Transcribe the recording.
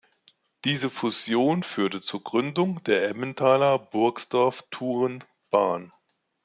Diese Fusion führte zur Gründung der Emmental-Burgdorf-Thun-Bahn.